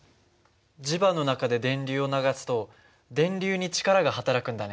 磁場の中で電流を流すと電流に力が働くんだね。